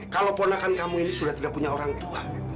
kalau ponakan kamu ini sudah tidak punya orang tua